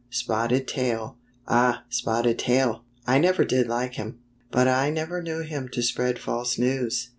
" Spotted Tail." "Ah! Spotted Tail! I never did like him, but I never knew him to spread false news.